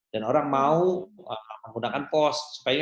dan orang mau menggunakan pos